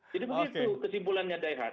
jadi begitu kesimpulannya daihat